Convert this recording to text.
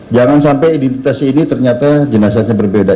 jangan sampai identitas ini ternyata jenazahnya berbeda